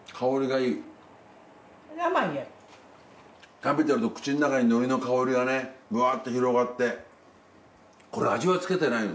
食べてると口の中に海苔の香りがねふわって広がってこれ味はつけてないの？